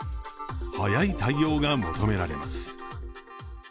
早い対応が求められます。